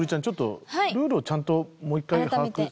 ちょっとルールをちゃんともう１回把握。